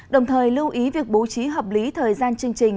đồng thời lưu ý việc bố trí hợp lý thời gian chương trình